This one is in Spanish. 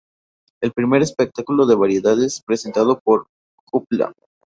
El primer espectáculo de variedades representado fue "Hoop-La".